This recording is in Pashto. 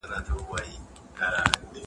که طبله وي نو اتڼ نه سستیږي.